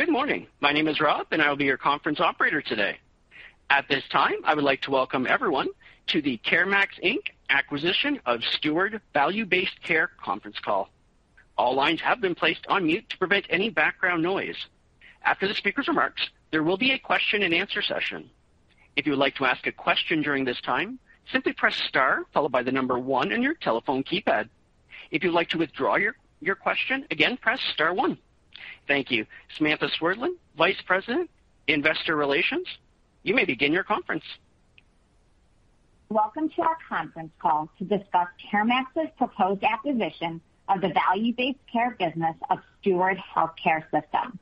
Good morning. My name is Rob, and I will be your conference operator today. At this time, I would like to welcome everyone to the CareMax, Inc. acquisition of Steward Value-Based Care conference call. All lines have been placed on mute to prevent any background noise. After the speaker's remarks, there will be a question-and-answer session. If you would like to ask a question during this time, simply press star followed by the number one on your telephone keypad. If you'd like to withdraw your question, again, press star one. Thank you. Samantha Swerdlin, Vice President, Investor Relations, you may begin your conference. Welcome to our conference call to discuss CareMax's proposed acquisition of the value-based care business of Steward Health Care System.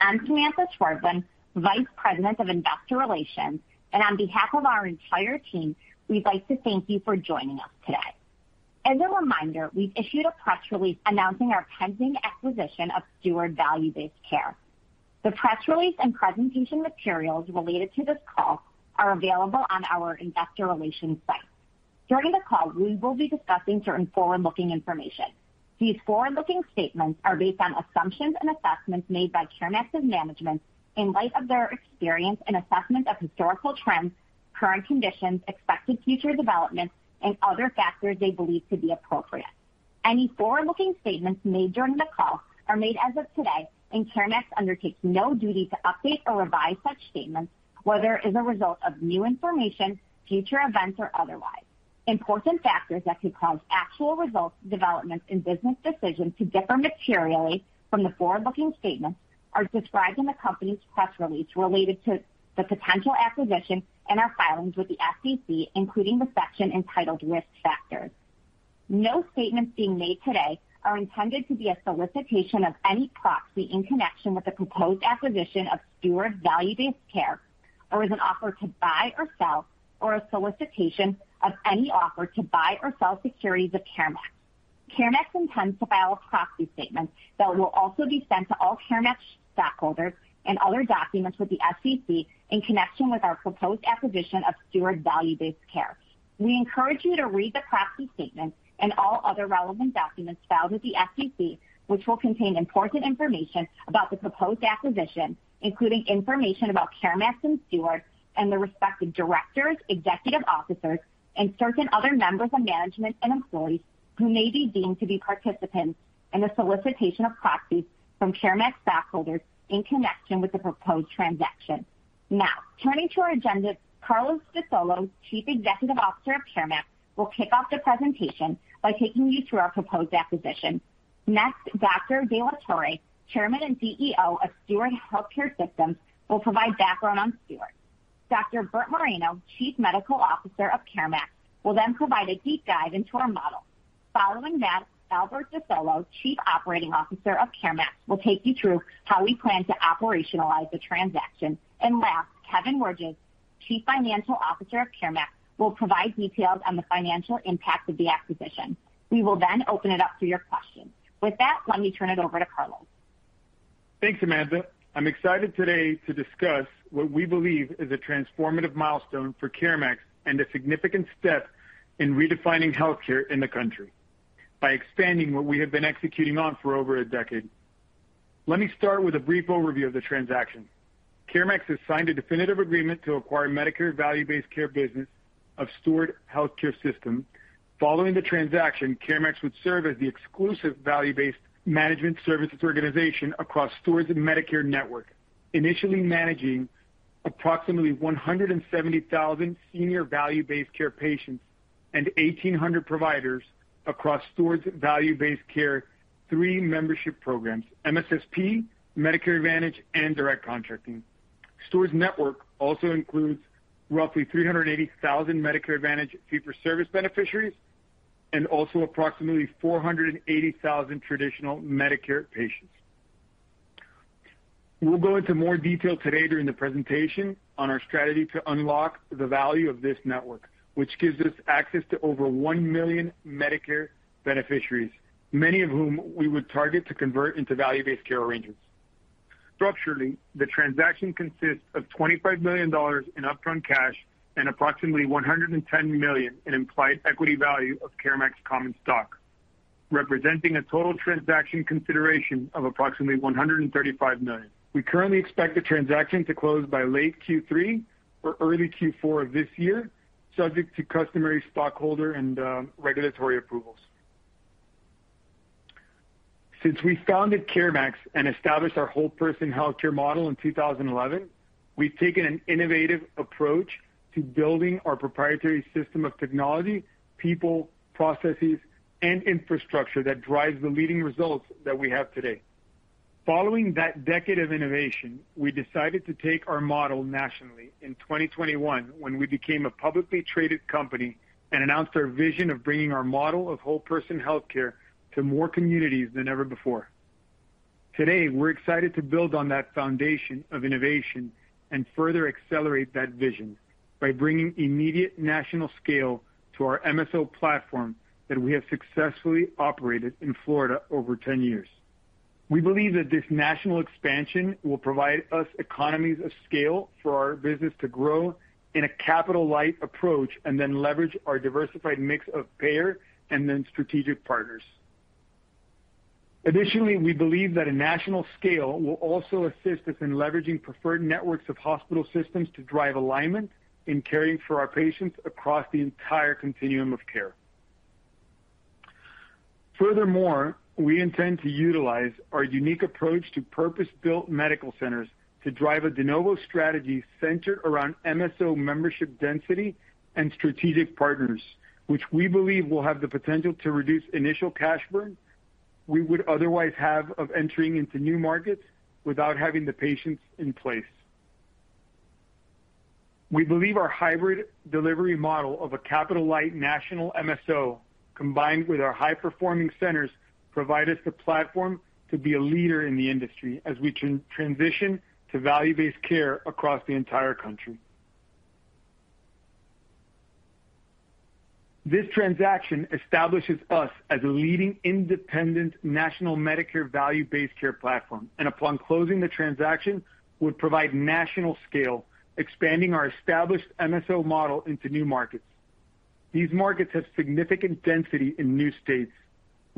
I'm Samantha Swerdlin, Vice President of Investor Relations, and on behalf of our entire team, we'd like to thank you for joining us today. As a reminder, we've issued a press release announcing our pending acquisition of Steward Value-Based Care. The press release and presentation materials related to this call are available on our investor relations site. During the call, we will be discussing certain forward-looking information. These forward-looking statements are based on assumptions and assessments made by CareMax's management in light of their experience and assessment of historical trends, current conditions, expected future developments, and other factors they believe to be appropriate. Any forward-looking statements made during the call are made as of today, and CareMax undertakes no duty to update or revise such statements whether as a result of new information, future events, or otherwise. Important factors that could cause actual results, developments, and business decisions to differ materially from the forward-looking statements are described in the company's press release related to the potential acquisition and our filings with the SEC, including the section entitled Risk Factors. No statements being made today are intended to be a solicitation of any proxy in connection with the proposed acquisition of Steward Value-Based Care, or as an offer to buy or sell, or a solicitation of any offer to buy or sell securities of CareMax. CareMax intends to file a proxy statement that will also be sent to all CareMax stockholders and other documents with the SEC in connection with our proposed acquisition of Steward Value-Based Care. We encourage you to read the proxy statement and all other relevant documents filed with the SEC, which will contain important information about the proposed acquisition, including information about CareMax and Steward and the respective directors, executive officers, and certain other members of management and employees who may be deemed to be participants in the solicitation of proxies from CareMax stockholders in connection with the proposed transaction. Now, turning to our agenda, Carlos de Solo, Chief Executive Officer of CareMax, will kick off the presentation by taking you through our proposed acquisition. Next, Dr. de la Torre, Chairman and CEO of Steward Health Care System, will provide background on Steward. Dr. Bert Moreno, Chief Medical Officer of CareMax, will then provide a deep dive into our model. Following that, Albert de Solo, Chief Operating Officer of CareMax, will take you through how we plan to operationalize the transaction. Last, Kevin Wirges, Chief Financial Officer of CareMax, will provide details on the financial impact of the acquisition. We will then open it up to your questions. With that, let me turn it over to Carlos. Thanks, Samantha. I'm excited today to discuss what we believe is a transformative milestone for CareMax and a significant step in redefining healthcare in the country by expanding what we have been executing on for over a decade. Let me start with a brief overview of the transaction. CareMax has signed a definitive agreement to acquire Medicare value-based care business of Steward Health Care System. Following the transaction, CareMax would serve as the exclusive value-based management services organization across Steward's Medicare network, initially managing approximately 170,000 senior value-based care patients and 1,800 providers across Steward's value-based care three membership programs, MSSP, Medicare Advantage, and direct contracting. Steward's network also includes roughly 380,000 Medicare Advantage fee-for-service beneficiaries and also approximately 480,000 traditional Medicare patients. We'll go into more detail today during the presentation on our strategy to unlock the value of this network, which gives us access to over 1 million Medicare beneficiaries, many of whom we would target to convert into value-based care arrangements. Structurally, the transaction consists of $25 million in upfront cash and approximately $110 million in implied equity value of CareMax common stock, representing a total transaction consideration of approximately $135 million. We currently expect the transaction to close by late Q3 or early Q4 of this year, subject to customary stockholder and regulatory approvals. Since we founded CareMax and established our whole person healthcare model in 2011, we've taken an innovative approach to building our proprietary system of technology, people, processes, and infrastructure that drives the leading results that we have today. Following that decade of innovation, we decided to take our model nationally in 2021 when we became a publicly traded company and announced our vision of bringing our model of whole person healthcare to more communities than ever before. Today, we're excited to build on that foundation of innovation and further accelerate that vision by bringing immediate national scale to our MSO platform that we have successfully operated in Florida over 10 years. We believe that this national expansion will provide us economies of scale for our business to grow in a capital-light approach and then leverage our diversified mix of payer and then strategic partners. Additionally, we believe that a national scale will also assist us in leveraging preferred networks of hospital systems to drive alignment in caring for our patients across the entire continuum of care. Furthermore, we intend to utilize our unique approach to purpose-built medical centers to drive a de novo strategy centered around MSO membership density and strategic partners, which we believe will have the potential to reduce initial cash burn we would otherwise have of entering into new markets without having the patients in place. We believe our hybrid delivery model of a capital-light national MSO, combined with our high-performing centers, provide us the platform to be a leader in the industry as we transition to value-based care across the entire country. This transaction establishes us as a leading independent national Medicare value-based care platform, and upon closing the transaction, would provide national scale, expanding our established MSO model into new markets. These markets have significant density in new states,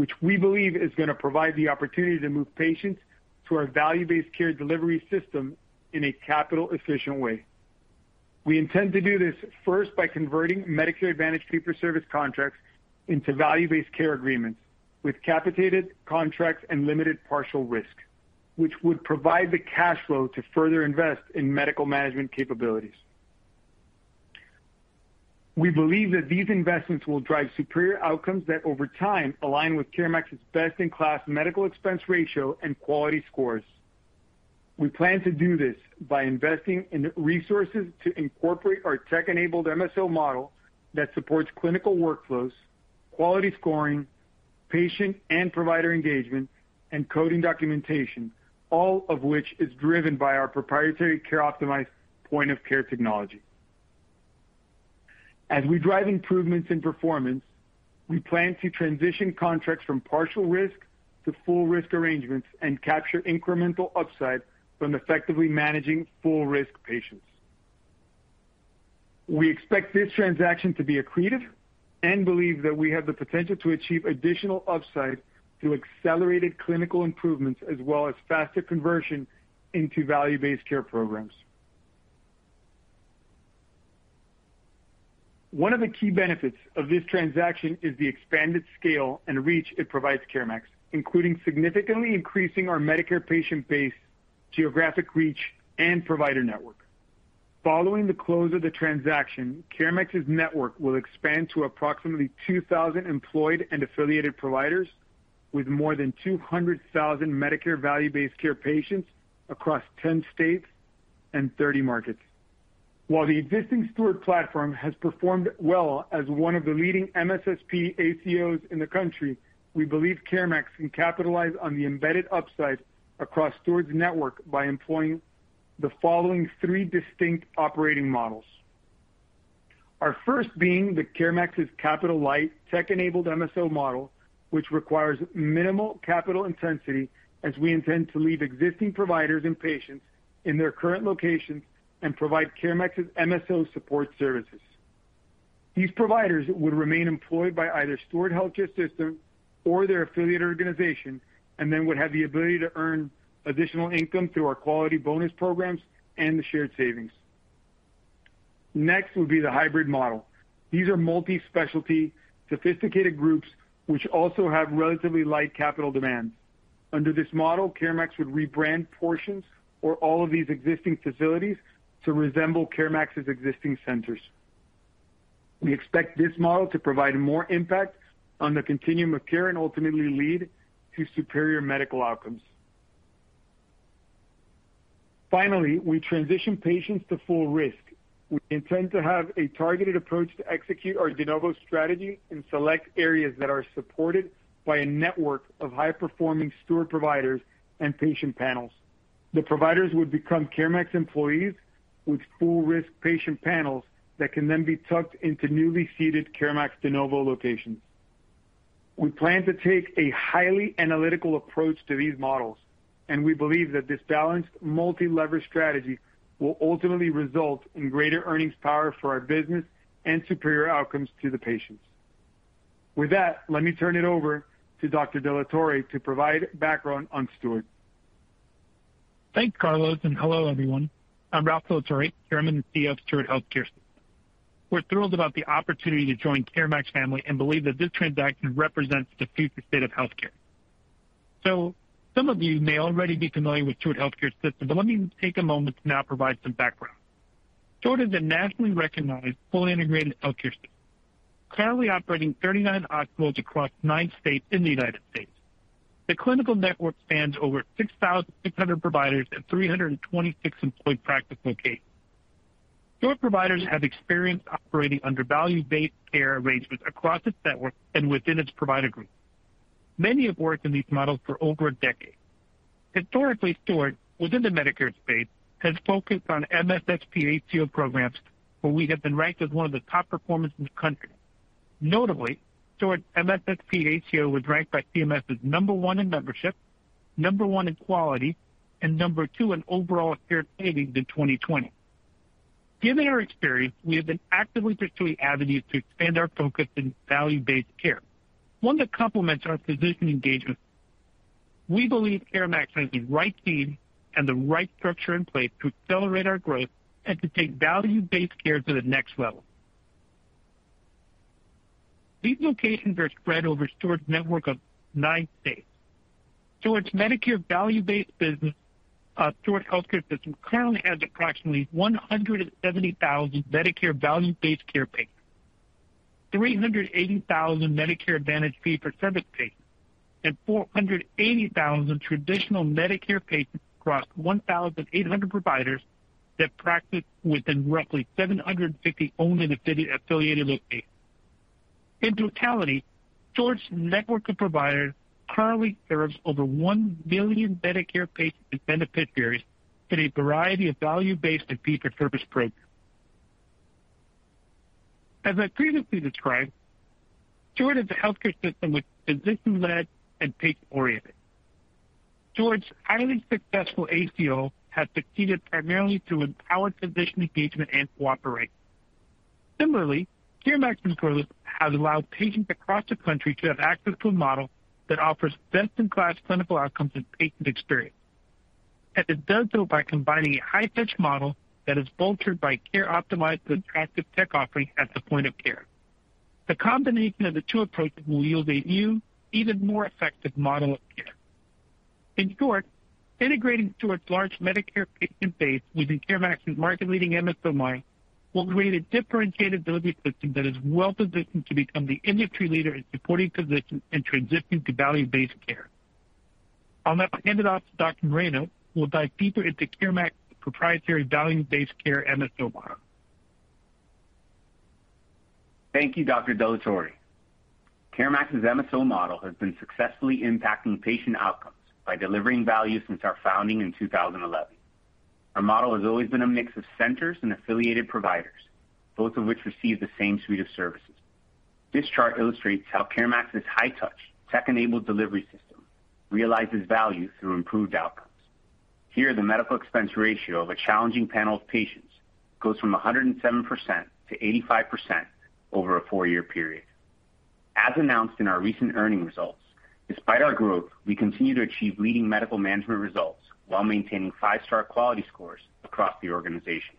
which we believe is gonna provide the opportunity to move patients to our value-based care delivery system in a capital-efficient way. We intend to do this first by converting Medicare Advantage fee-for-service contracts into value-based care agreements with capitated contracts and limited partial risk, which would provide the cash flow to further invest in medical management capabilities. We believe that these investments will drive superior outcomes that over time align with CareMax's best-in-class medical expense ratio and quality scores. We plan to do this by investing in the resources to incorporate our tech-enabled MSO model that supports clinical workflows, quality scoring, patient and provider engagement, and coding documentation, all of which is driven by our proprietary CareOptimize point-of-care technology. As we drive improvements in performance, we plan to transition contracts from partial risk to full risk arrangements and capture incremental upside from effectively managing full risk patients. We expect this transaction to be accretive and believe that we have the potential to achieve additional upside through accelerated clinical improvements as well as faster conversion into value-based care programs. One of the key benefits of this transaction is the expanded scale and reach it provides CareMax, including significantly increasing our Medicare patient base, geographic reach, and provider network. Following the close of the transaction, CareMax's network will expand to approximately 2,000 employed and affiliated providers with more than 200,000 Medicare value-based care patients across 10 states and 30 markets. While the existing Steward platform has performed well as one of the leading MSSP ACOs in the country, we believe CareMax can capitalize on the embedded upside across Steward's network by employing the following three distinct operating models. Our first being the CareMax's capital-light tech-enabled MSO model, which requires minimal capital intensity as we intend to leave existing providers and patients in their current locations and provide CareMax's MSO support services. These providers would remain employed by either Steward Health Care System or their affiliate organization and then would have the ability to earn additional income through our quality bonus programs and the shared savings. Next would be the hybrid model. These are multi-specialty, sophisticated groups which also have relatively light capital demands. Under this model, CareMax would rebrand portions or all of these existing facilities to resemble CareMax's existing centers. We expect this model to provide more impact on the continuum of care and ultimately lead to superior medical outcomes. Finally, we transition patients to full risk. We intend to have a targeted approach to execute our de novo strategy in select areas that are supported by a network of high-performing Steward providers and patient panels. The providers would become CareMax employees with full risk patient panels that can then be tucked into newly seeded CareMax de novo locations. We plan to take a highly analytical approach to these models, and we believe that this balanced multi-lever strategy will ultimately result in greater earnings power for our business and superior outcomes to the patients. With that, let me turn it over to Dr. de la Torre to provide background on Steward. Thanks, Carlos, and hello, everyone. I'm Ralph de la Torre, Chairman and CEO of Steward Health Care. We're thrilled about the opportunity to join CareMax family and believe that this transaction represents the future state of healthcare. Some of you may already be familiar with Steward Health Care System, but let me take a moment to now provide some background. Steward is a nationally recognized, fully integrated healthcare system. Currently operating 39 hospitals across nine states in the United States. The clinical network spans over 6,600 providers and 326 employed practice locations. Steward providers have experience operating under value-based care arrangements across its network and within its provider group. Many have worked in these models for over a decade. Historically, Steward, within the Medicare space, has focused on MSSP ACO programs, where we have been ranked as one of the top performers in the country. Notably, Steward MSSP ACO was ranked by CMS as number one in membership, number one in quality, and number two in overall shared savings in 2020. Given our experience, we have been actively pursuing avenues to expand our focus in value-based care, one that complements our physician engagement. We believe CareMax has the right team and the right structure in place to accelerate our growth and to take value-based care to the next level. These locations are spread over Steward's network of nine states. Steward's Medicare value-based business, Steward Health Care System currently has approximately 170,000 Medicare value-based care patients, 380,000 Medicare Advantage fee-for-service patients, and 480,000 traditional Medicare patients across 1,800 providers that practice within roughly 750 owned and affiliated locations. In totality, Steward's network of providers currently serves over 1 billion Medicare patients and beneficiaries in a variety of value-based and fee-for-service programs. As I previously described, Steward is a healthcare system which is physician-led and patient-oriented. Steward's highly successful ACO has succeeded primarily through empowered physician engagement and cooperation. Similarly, CareMax's growth has allowed patients across the country to have access to a model that offers best-in-class clinical outcomes and patient experience. It does so by combining a high-touch model that is bolstered by CareOptimize with attractive tech offerings at the point of care. The combination of the two approaches will yield a new, even more effective model of care. In short, integrating Steward's large Medicare patient base within CareMax's market-leading MSO model will create a differentiated delivery system that is well-positioned to become the industry leader in supporting physicians in transitioning to value-based care. I'll now hand it off to Dr. Moreno, who will dive deeper into CareMax's proprietary value-based care MSO model. Thank you, Dr. de la Torre. CareMax's MSO model has been successfully impacting patient outcomes by delivering value since our founding in 2011. Our model has always been a mix of centers and affiliated providers, both of which receive the same suite of services. This chart illustrates how CareMax's high-touch, tech-enabled delivery system realizes value through improved outcomes. Here, the medical expense ratio of a challenging panel of patients goes from 107% to 85% over a four-year period. As announced in our recent earnings results, despite our growth, we continue to achieve leading medical management results while maintaining five-star quality scores across the organization.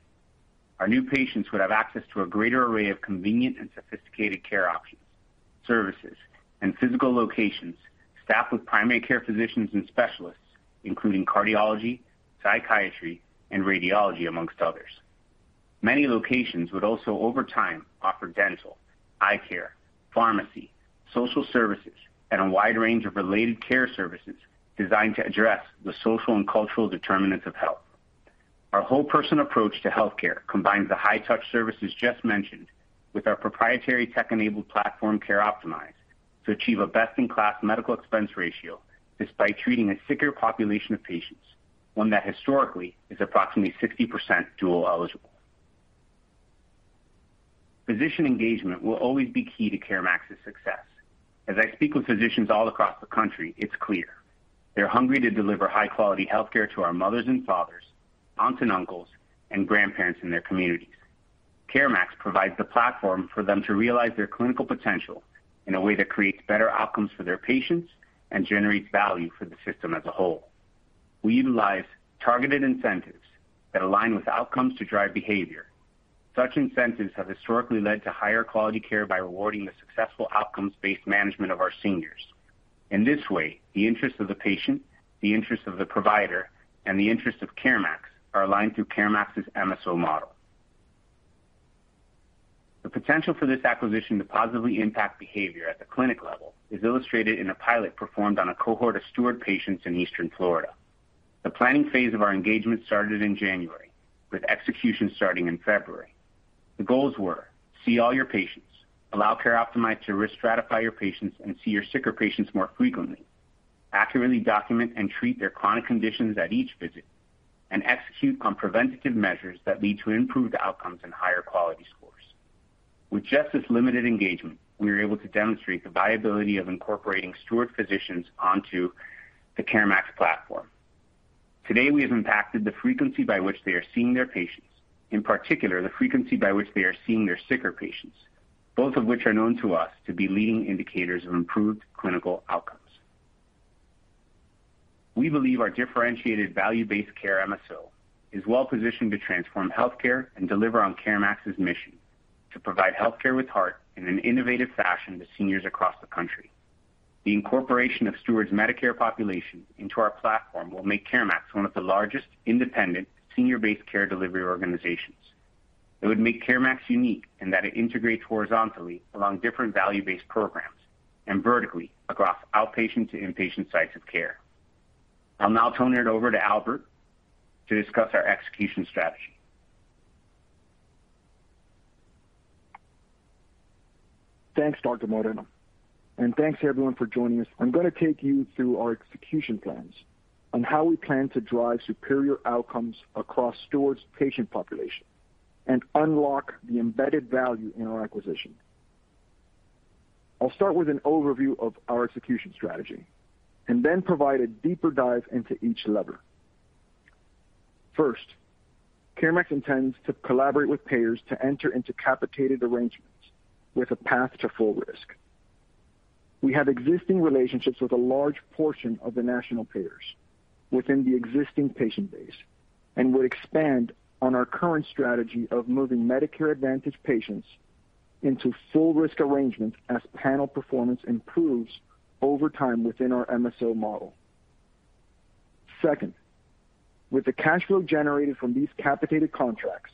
Our new patients would have access to a greater array of convenient and sophisticated care options, services, and physical locations staffed with primary care physicians and specialists, including cardiology, psychiatry, and radiology, among others. Many locations would also, over time, offer dental, eye care, pharmacy, social services, and a wide range of related care services designed to address the social and cultural determinants of health. Our whole-person approach to healthcare combines the high-touch services just mentioned with our proprietary tech-enabled platform, CareOptimize, to achieve a best-in-class medical expense ratio, despite treating a sicker population of patients, one that historically is approximately 60% dual eligible. Physician engagement will always be key to CareMax's success. As I speak with physicians all across the country, it's clear they're hungry to deliver high-quality healthcare to our mothers and fathers, aunts and uncles, and grandparents in their communities. CareMax provides the platform for them to realize their clinical potential in a way that creates better outcomes for their patients and generates value for the system as a whole. We utilize targeted incentives that align with outcomes to drive behavior. Such incentives have historically led to higher quality care by rewarding the successful outcomes-based management of our seniors. In this way, the interests of the patient, the interests of the provider, and the interests of CareMax are aligned through CareMax's MSO model. The potential for this acquisition to positively impact behavior at the clinic level is illustrated in a pilot performed on a cohort of Steward patients in Eastern Florida. The planning phase of our engagement started in January, with execution starting in February. The goals were. See all your patients. Allow CareOptimize to risk stratify your patients and see your sicker patients more frequently. Accurately document and treat their chronic conditions at each visit. Execute on preventative measures that lead to improved outcomes and higher quality scores. With just this limited engagement, we were able to demonstrate the viability of incorporating Steward physicians onto the CareMax platform. Today, we have impacted the frequency by which they are seeing their patients, in particular, the frequency by which they are seeing their sicker patients, both of which are known to us to be leading indicators of improved clinical outcomes. We believe our differentiated value-based care MSO is well positioned to transform healthcare and deliver on CareMax's mission to provide healthcare with heart in an innovative fashion to seniors across the country. The incorporation of Steward's Medicare population into our platform will make CareMax one of the largest independent senior-based care delivery organizations. It would make CareMax unique in that it integrates horizontally along different value-based programs and vertically across outpatient to inpatient sites of care. I'll now turn it over to Albert to discuss our execution strategy. Thanks, Dr. Moreno, and thanks, everyone, for joining us. I'm gonna take you through our execution plans on how we plan to drive superior outcomes across Steward's patient population and unlock the embedded value in our acquisition. I'll start with an overview of our execution strategy and then provide a deeper dive into each lever. First, CareMax intends to collaborate with payers to enter into capitated arrangements with a path to full risk. We have existing relationships with a large portion of the national payers within the existing patient base and would expand on our current strategy of moving Medicare Advantage patients into full risk arrangements as panel performance improves over time within our MSO model. Second, with the cash flow generated from these capitated contracts,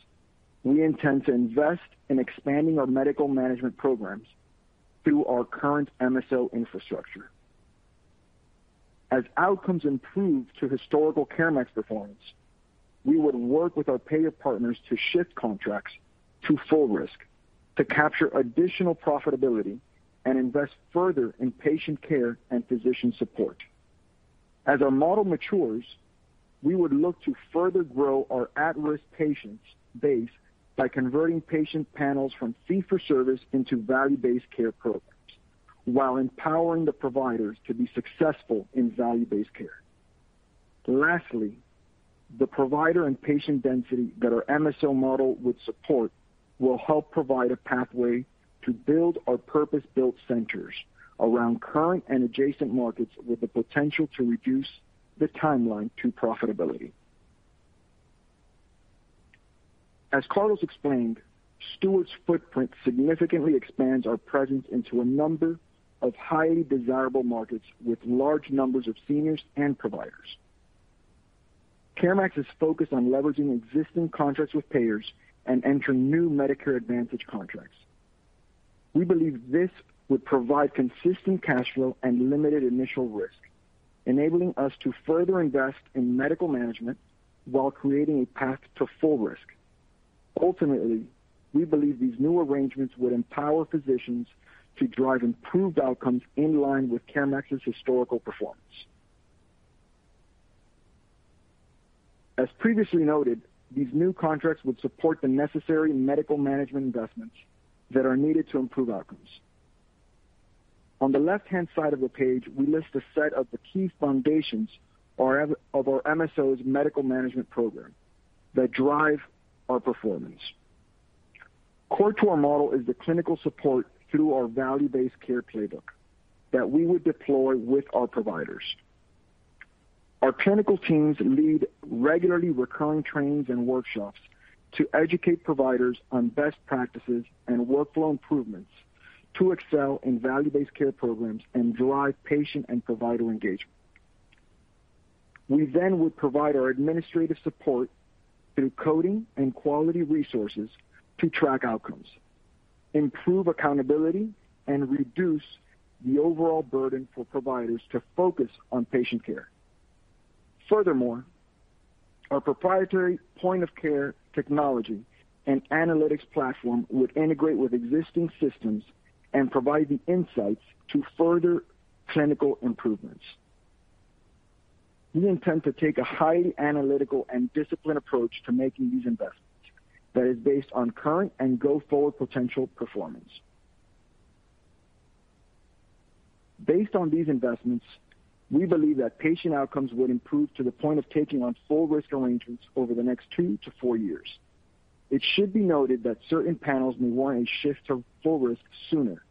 we intend to invest in expanding our medical management programs through our current MSO infrastructure. As outcomes improve to historical CareMax performance, we would work with our payer partners to shift contracts to full risk to capture additional profitability and invest further in patient care and physician support. As our model matures, we would look to further grow our at-risk patients base by converting patient panels from fee-for-service into value-based care programs while empowering the providers to be successful in value-based care. Lastly, the provider and patient density that our MSO model would support will help provide a pathway to build our purpose-built centers around current and adjacent markets with the potential to reduce the timeline to profitability. As Carlos explained, Steward's footprint significantly expands our presence into a number of highly desirable markets with large numbers of seniors and providers. CareMax is focused on leveraging existing contracts with payers and entering new Medicare Advantage contracts. We believe this would provide consistent cash flow and limited initial risk, enabling us to further invest in medical management while creating a path to full risk. Ultimately, we believe these new arrangements would empower physicians to drive improved outcomes in line with CareMax's historical performance. As previously noted, these new contracts would support the necessary medical management investments that are needed to improve outcomes. On the left-hand side of the page, we list a set of the key foundations of our MSO's medical management program that drive our performance. Core to our model is the clinical support through our value-based care playbook that we would deploy with our providers. Our clinical teams lead regularly recurring trainings and workshops to educate providers on best practices and workflow improvements to excel in value-based care programs and drive patient and provider engagement. We then would provide our administrative support through coding and quality resources to track outcomes, improve accountability, and reduce the overall burden for providers to focus on patient care. Furthermore, our proprietary point of care technology and analytics platform would integrate with existing systems and provide the insights to further clinical improvements. We intend to take a highly analytical and disciplined approach to making these investments that is based on current and go-forward potential performance. Based on these investments, we believe that patient outcomes would improve to the point of taking on full risk arrangements over the next 2-4 years. It should be noted that certain panels may warrant a shift to full risk sooner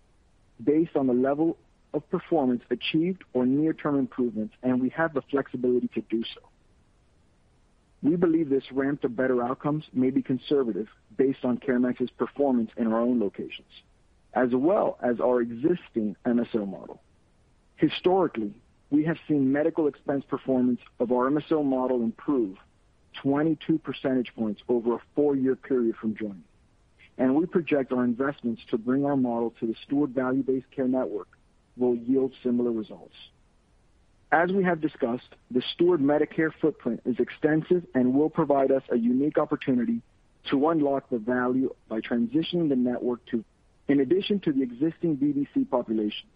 based on the level of performance achieved or near-term improvements, and we have the flexibility to do so. We believe this ramp to better outcomes may be conservative based on CareMax's performance in our own locations, as well as our existing MSO model. Historically, we have seen medical expense performance of our MSO model improve 22 percentage points over a four-year period from joining, and we project our investments to bring our model to the Steward Value-Based Care network will yield similar results. We have discussed, the Steward's Medicare footprint is extensive and will provide us a unique opportunity to unlock the value by transitioning the network to. In addition to the existing VBC population,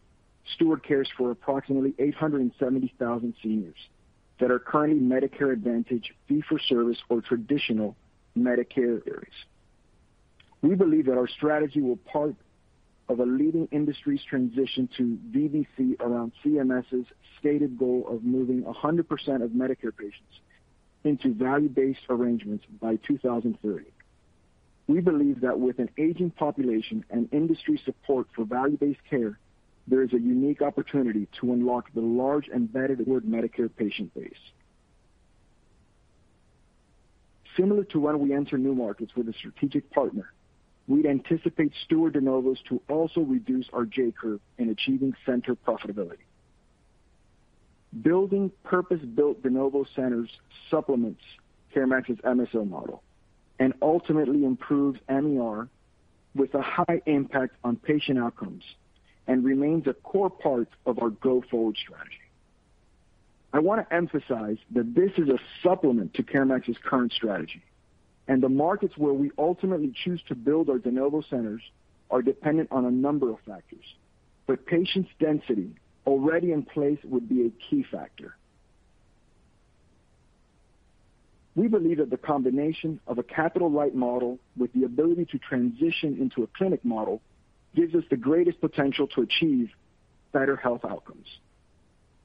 Steward cares for approximately 870,000 seniors that are currently Medicare Advantage fee-for-service or traditional Medicare areas. We believe that our strategy will be part of leading the industry's transition to VBC around CMS's stated goal of moving 100% of Medicare patients into value-based arrangements by 2030. We believe that with an aging population and industry support for value-based care, there is a unique opportunity to unlock the large embedded Medicare patient base. Similar to when we enter new markets with a strategic partner, we'd anticipate Steward de novos to also reduce our J-curve in achieving center profitability. Building purpose-built de novo centers supplements CareMax's MSO model and ultimately improves MER with a high impact on patient outcomes and remains a core part of our go-forward strategy. I wanna emphasize that this is a supplement to CareMax's current strategy, and the markets where we ultimately choose to build our de novo centers are dependent on a number of factors, but patients' density already in place would be a key factor. We believe that the combination of a capital-light model with the ability to transition into a clinic model gives us the greatest potential to achieve better health outcomes,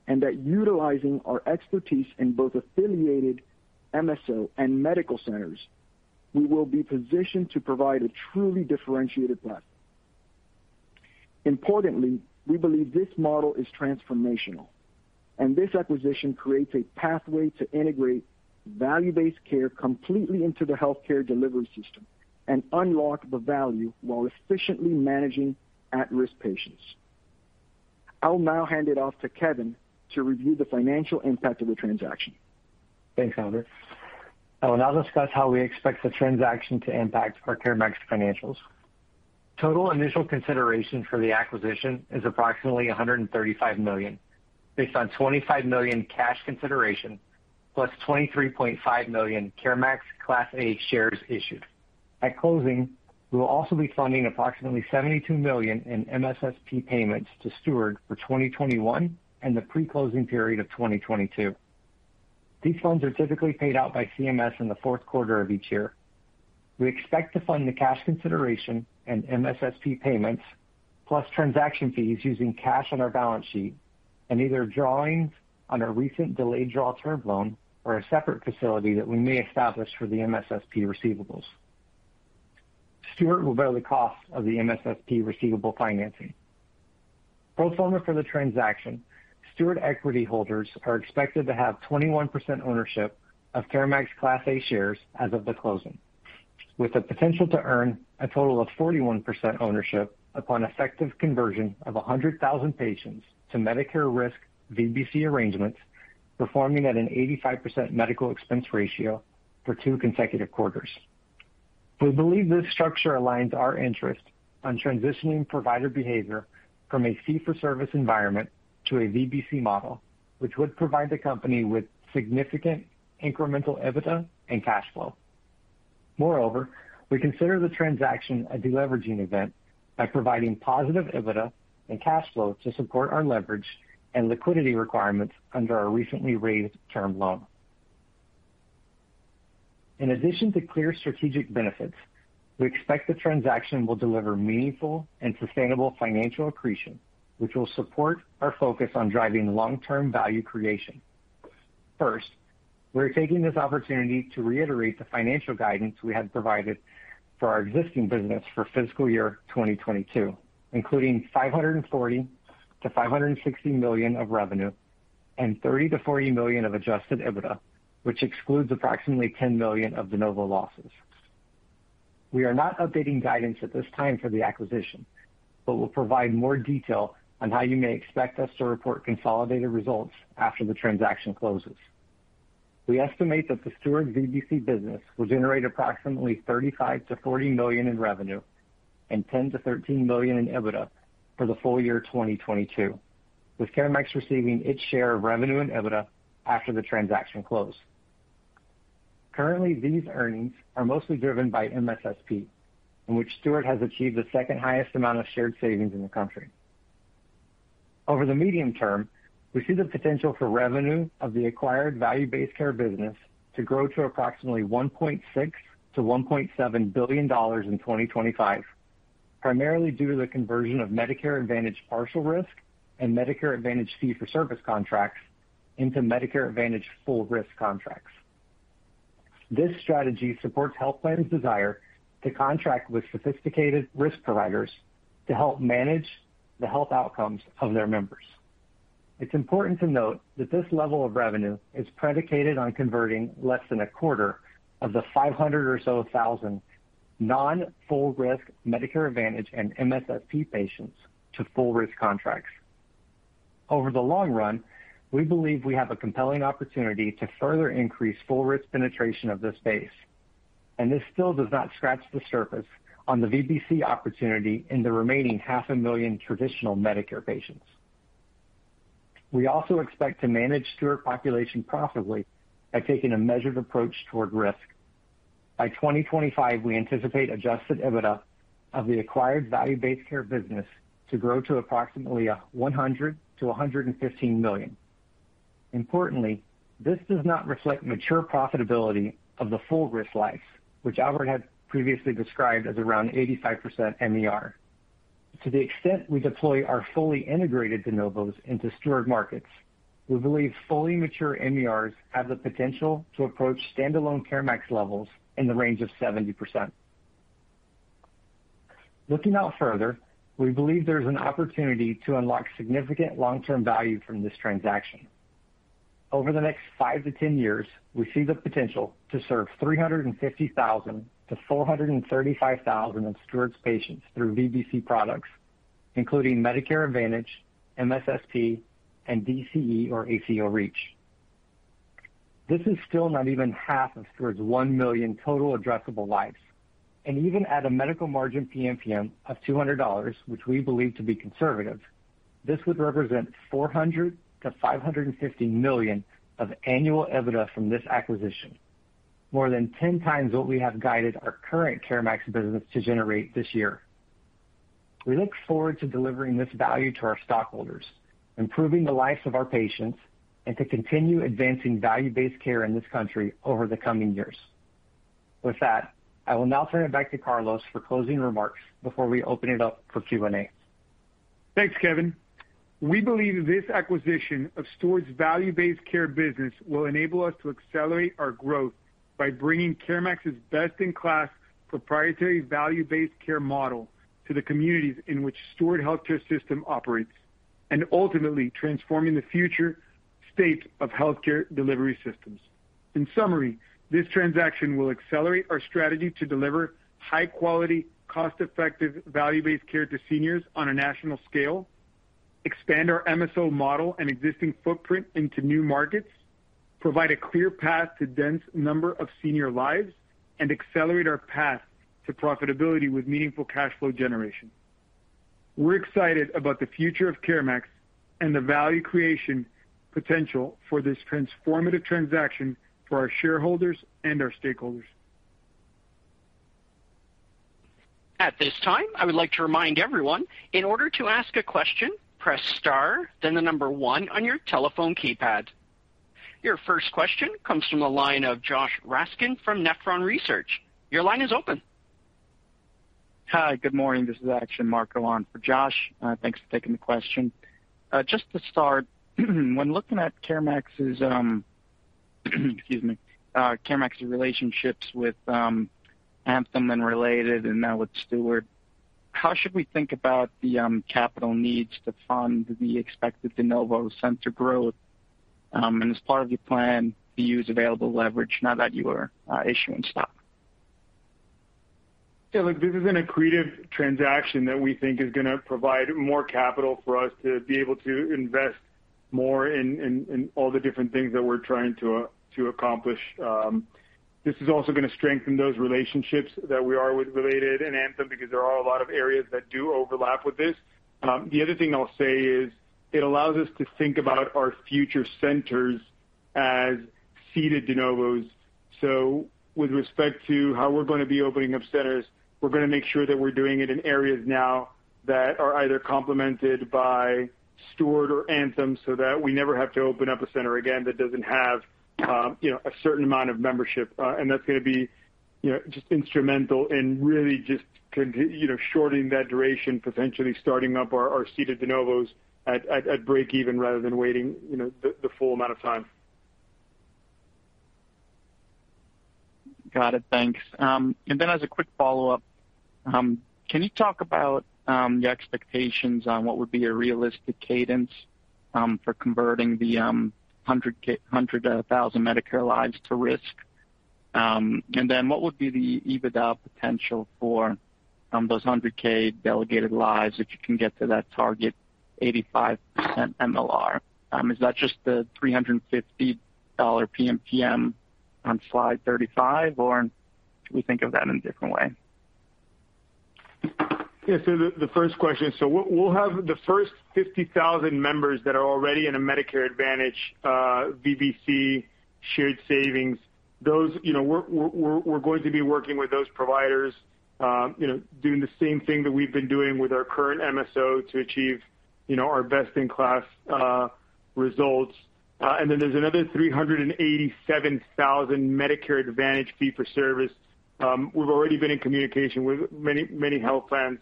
and that utilizing our expertise in both affiliated MSO and medical centers, we will be positioned to provide a truly differentiated platform. Importantly, we believe this model is transformational, and this acquisition creates a pathway to integrate value-based care completely into the healthcare delivery system and unlock the value while efficiently managing at-risk patients. I will now hand it off to Kevin to review the financial impact of the transaction. Thanks, Albert. I will now discuss how we expect the transaction to impact our CareMax financials. Total initial consideration for the acquisition is approximately $135 million, based on $25 million cash consideration plus 23.5 million CareMax Class A shares issued. At closing, we will also be funding approximately $72 million in MSSP payments to Steward for 2021 and the pre-closing period of 2022. These loans are typically paid out by CMS in the fourth quarter of each year. We expect to fund the cash consideration and MSSP payments plus transaction fees using cash on our balance sheet and either drawings on our recent delayed draw term loan or a separate facility that we may establish for the MSSP receivables. Steward will bear the cost of the MSSP receivable financing. Pro forma for the transaction, Steward equity holders are expected to have 21% ownership of CareMax Class A shares as of the closing, with the potential to earn a total of 41% ownership upon effective conversion of 100,000 patients to Medicare risk VBC arrangements, performing at an 85% medical expense ratio for two consecutive quarters. We believe this structure aligns our interest on transitioning provider behavior from a fee-for-service environment to a VBC model, which would provide the company with significant incremental EBITDA and cash flow. Moreover, we consider the transaction a deleveraging event by providing positive EBITDA and cash flow to support our leverage and liquidity requirements under our recently raised term loan. In addition to clear strategic benefits, we expect the transaction will deliver meaningful and sustainable financial accretion, which will support our focus on driving long-term value creation. First, we're taking this opportunity to reiterate the financial guidance we had provided for our existing business for fiscal year 2022, including $540 million-$560 million of revenue and $30 million-$40 million of adjusted EBITDA, which excludes approximately $10 million of de novo losses. We're not updating guidance at this time for the acquisition, but we'll provide more detail on how you may expect us to report consolidated results after the transaction closes. We estimate that the Steward VBC business will generate approximately $35 million-$40 million in revenue and $10 million-$13 million in EBITDA for the full year 2022, with CareMax receiving its share of revenue and EBITDA after the transaction close. Currently, these earnings are mostly driven by MSSP, in which Steward has achieved the second highest amount of shared savings in the country. Over the medium term, we see the potential for revenue of the acquired value-based care business to grow to approximately $1.6 billion-$1.7 billion in 2025, primarily due to the conversion of Medicare Advantage partial risk and Medicare Advantage fee-for-service contracts into Medicare Advantage full risk contracts. This strategy supports health plans' desire to contract with sophisticated risk providers to help manage the health outcomes of their members. It's important to note that this level of revenue is predicated on converting less than a quarter of the 500,000 or so non full risk Medicare Advantage and MSSP patients to full risk contracts. Over the long run, we believe we have a compelling opportunity to further increase full risk penetration of this base, and this still does not scratch the surface on the VBC opportunity in the remaining half a million traditional Medicare patients. We also expect to manage Steward population profitably by taking a measured approach toward risk. By 2025, we anticipate adjusted EBITDA of the acquired value-based care business to grow to approximately $100 million-$115 million. Importantly, this does not reflect mature profitability of the full risk life, which Albert had previously described as around 85% MER. To the extent we deploy our fully integrated de novos into Steward markets, we believe fully mature MERs have the potential to approach standalone CareMax levels in the range of 70%. Looking out further, we believe there is an opportunity to unlock significant long-term value from this transaction. Over the next 5-10 years, we see the potential to serve 350,000-435,000 of Steward's patients through VBC products, including Medicare Advantage, MSSP, and DCE or ACO REACH. This is still not even half of Steward's 1 million total addressable lives. Even at a medical margin PMPM of $200, which we believe to be conservative, this would represent $400 million-$550 million of annual EBITDA from this acquisition, more than 10x what we have guided our current CareMax business to generate this year. We look forward to delivering this value to our stockholders, improving the lives of our patients, and to continue advancing value-based care in this country over the coming years. With that, I will now turn it back to Carlos for closing remarks before we open it up for Q&A. Thanks, Kevin. We believe this acquisition of Steward's value-based care business will enable us to accelerate our growth by bringing CareMax's best-in-class proprietary value-based care model to the communities in which Steward Health Care System operates, and ultimately transforming the future state of healthcare delivery systems. In summary, this transaction will accelerate our strategy to deliver high quality, cost-effective, value-based care to seniors on a national scale, expand our MSO model and existing footprint into new markets, provide a clear path to dense number of senior lives, and accelerate our path to profitability with meaningful cash flow generation. We're excited about the future of CareMax and the value creation potential for this transformative transaction for our shareholders and our stakeholders. At this time, I would like to remind everyone, in order to ask a question, press star then the number one on your telephone keypad. Your first question comes from the line of Josh Raskin from Nephron Research. Your line is open. Hi, good morning. This is actually Mark Alon for Josh. Thanks for taking the question. Just to start, when looking at CareMax's relationships with Anthem and Related and now with Steward, how should we think about the capital needs to fund the expected de novo center growth? Is part of your plan to use available leverage now that you are issuing stock? Yeah, look, this is an accretive transaction that we think is gonna provide more capital for us to be able to invest more in all the different things that we're trying to accomplish. This is also gonna strengthen those relationships that we are with Related and Anthem because there are a lot of areas that do overlap with this. The other thing I'll say is it allows us to think about our future centers as seeded de novos. With respect to how we're gonna be opening up centers, we're gonna make sure that we're doing it in areas now that are either complemented by Steward or Anthem, so that we never have to open up a center again that doesn't have you know a certain amount of membership. That's gonna be, you know, just instrumental in really just shorting that duration, potentially starting up our seeded de novos at breakeven rather than waiting, you know, the full amount of time. Got it. Thanks. As a quick follow-up, can you talk about the expectations on what would be a realistic cadence for converting the 100,000 Medicare lives to risk? What would be the EBITDA potential for those 100,000 delegated lives if you can get to that target 85% MLR? Is that just the $350 PMPM on slide 35, or should we think of that in a different way? Yeah. We'll have the first 50,000 members that are already in a Medicare Advantage VBC shared savings. Those, you know, we're going to be working with those providers, you know, doing the same thing that we've been doing with our current MSO to achieve, you know, our best-in-class results. Then there's another 387,000 Medicare Advantage fee-for-service. We've already been in communication with many health plans.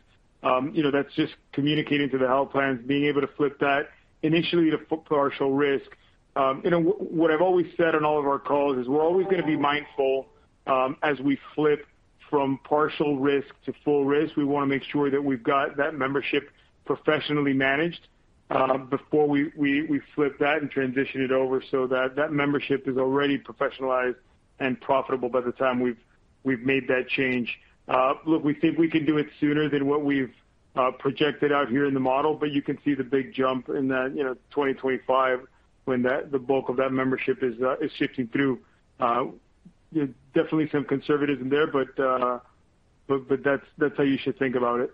You know, that's just communicating to the health plans, being able to flip that initially to partial risk. What I've always said on all of our calls is we're always gonna be mindful as we flip from partial risk to full risk. We wanna make sure that we've got that membership professionally managed before we flip that and transition it over so that that membership is already professionalized and profitable by the time we've made that change. Look, we think we can do it sooner than what we've projected out here in the model, but you can see the big jump in that, you know, 2025 when the bulk of that membership is shifting through. Definitely some conservatism there, but that's how you should think about it.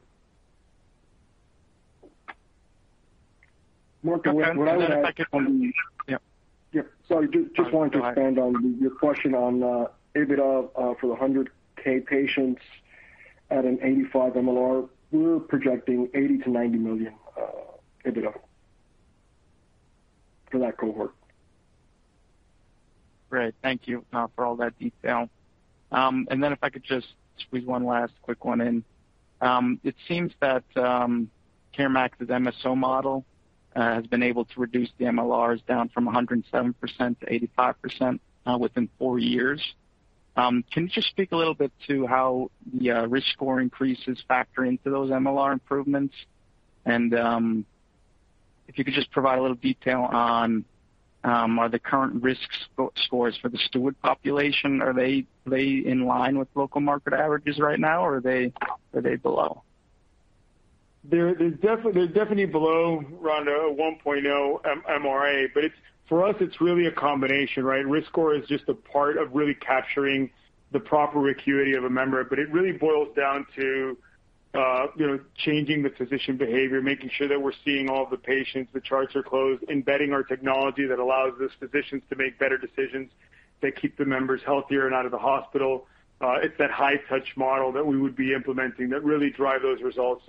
Mark, what I would add. Yeah. Yeah. Sorry. Just wanted to expand on your question on EBITDA for the 100,000 patients at an 85% MLR. We're projecting $80 million-$90 million EBITDA for that cohort. Great. Thank you for all that detail. If I could just squeeze one last quick one in. It seems that CareMax's MSO model has been able to reduce the MLRs down from 107% to 85% within four years. Can you just speak a little bit to how the risk score increases factor into those MLR improvements? If you could just provide a little detail on are the current risk scores for the Steward population, are they in line with local market averages right now or are they below? They're definitely below around 1.0 MRA. It's for us, it's really a combination, right? Risk score is just a part of really capturing the proper acuity of a member. It really boils down to, you know, changing the physician behavior, making sure that we're seeing all the patients, the charts are closed, embedding our technology that allows those physicians to make better decisions that keep the members healthier and out of the hospital. It's that high touch model that we would be implementing that really drive those results.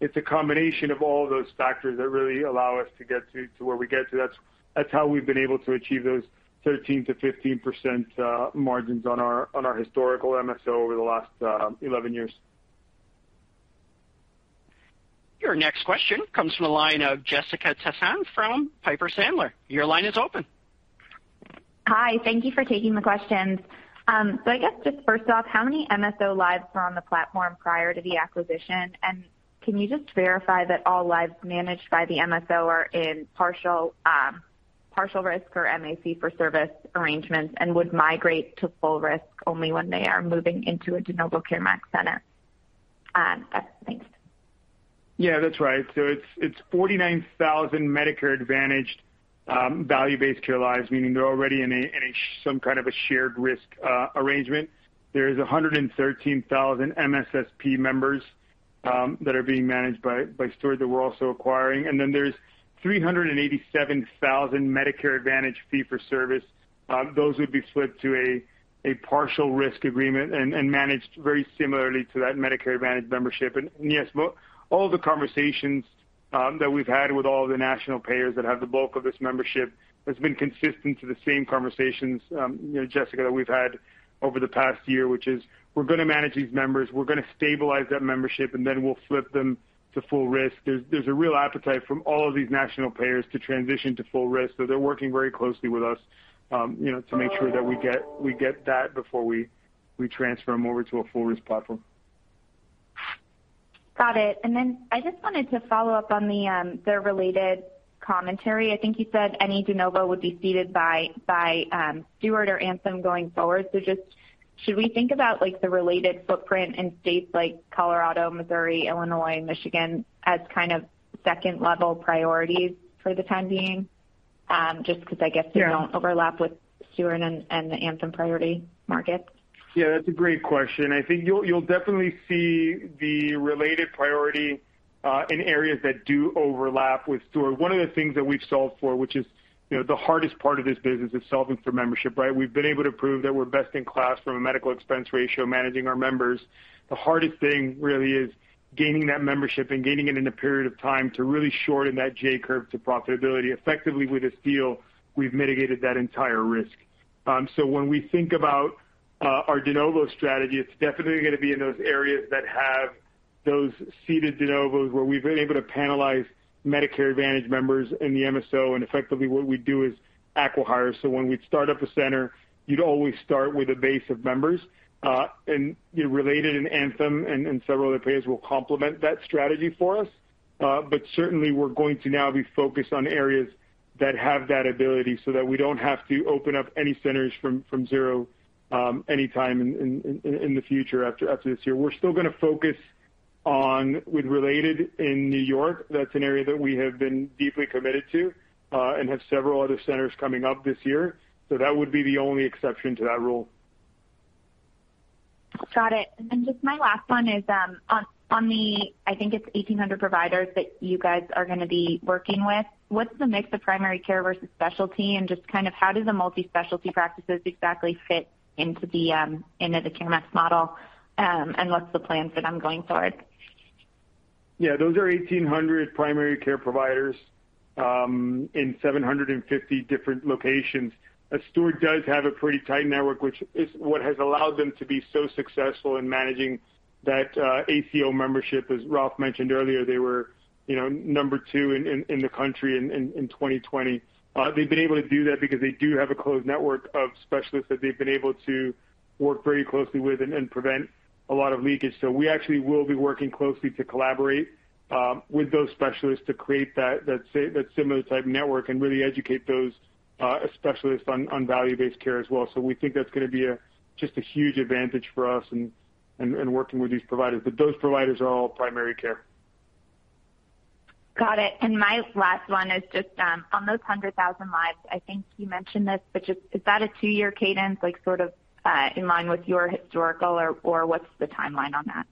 It's a combination of all those factors that really allow us to get to where we get to. That's how we've been able to achieve those 13%-15% margins on our historical MSO over the last 11 years. Your next question comes from the line of Jessica Tassan from Piper Sandler. Your line is open. Hi. Thank you for taking the questions. I guess just first off, how many MSO lives were on the platform prior to the acquisition? Can you just verify that all lives managed by the MSO are in partial risk or MA fee-for-service arrangements, and would migrate to full risk only when they are moving into a de novo CareMax center? That's it. Thanks. Yeah, that's right. It's 49,000 Medicare Advantage value-based care lives, meaning they're already in some kind of shared risk arrangement. There is 113,000 MSSP members that are being managed by Steward that we're also acquiring. Then there's 387,000 Medicare Advantage fee-for-service. Those would be flipped to a partial risk agreement and managed very similarly to that Medicare Advantage membership. Yes, well, all the conversations that we've had with all of the national payers that have the bulk of this membership has been consistent to the same conversations, you know, Jessica, that we've had over the past year, which is we're gonna manage these members, we're gonna stabilize that membership, and then we'll flip them to full risk. There's a real appetite from all of these national payers to transition to full risk, so they're working very closely with us, you know, to make sure that we get that before we transfer them over to a full risk platform. Got it. I just wanted to follow up on the Related commentary. I think you said any de novo would be seated by Steward or Anthem going forward. Just should we think about like the Related footprint in states like Colorado, Missouri, Illinois, and Michigan as kind of second-level priorities for the time being? Just 'cause I guess they don't overlap with Steward and the Anthem priority markets. Yeah, that's a great question. I think you'll definitely see the Related priority in areas that do overlap with Steward. One of the things that we've solved for, which is, you know, the hardest part of this business is solving for membership, right? We've been able to prove that we're best in class from a medical expense ratio, managing our members. The hardest thing really is gaining that membership and gaining it in a period of time to really shorten that J-curve to profitability. Effectively with this deal, we've mitigated that entire risk. So when we think about our de novo strategy, it's definitely gonna be in those areas that have those seeded de novos where we've been able to panelize Medicare Advantage members in the MSO, and effectively what we do is acqui-hire. When we'd start up a center, you'd always start with a base of members. You know, Related and Anthem and several other payers will complement that strategy for us. Certainly we're going to now be focused on areas that have that ability, so that we don't have to open up any centers from zero anytime in the future after this year. We're still gonna focus on with Related in New York. That's an area that we have been deeply committed to and have several other centers coming up this year. That would be the only exception to that rule. Got it. Then just my last one is on the, I think it's 1,800 providers that you guys are gonna be working with, what's the mix of primary care versus specialty? Just kind of how do the multi-specialty practices exactly fit into the CareMax model? What's the plan for them going forward? Yeah, those are 1,800 primary care providers in 750 different locations. Steward does have a pretty tight network, which is what has allowed them to be so successful in managing that ACO membership. As Ralph mentioned earlier, they were, you know, number two in the country in 2020. They've been able to do that because they do have a closed network of specialists that they've been able to work very closely with and prevent a lot of leakage. We actually will be working closely to collaborate with those specialists to create that similar type network and really educate those specialists on value-based care as well. We think that's gonna be just a huge advantage for us in working with these providers. Those providers are all primary care. Got it. My last one is just on those 100,000 lives, I think you mentioned this, but just is that a two-year cadence, like sort of in line with your historical or what's the timeline on that?